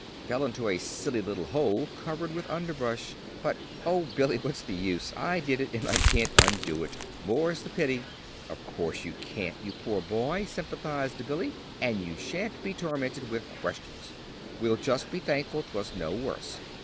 "Fell into a silly little hole covered with underbrush. But oh, Billy, what's the use? I did it, and I can't undo it more's the pity!" "Of course you can't, you poor boy," sympathized Billy; "and you sha'n't be tormented with questions. We'll just be thankful 'twas no worse.